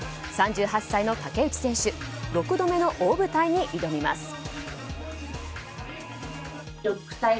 ３８歳の竹内選手６度目の大舞台に挑みます。